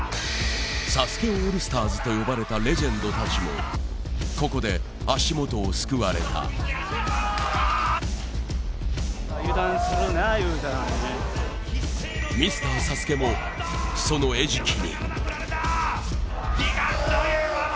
ＳＡＳＵＫＥオールスターズと呼ばれたレジェンド達もここで足元をすくわれたミスターＳＡＳＵＫＥもその餌食に時間という魔物！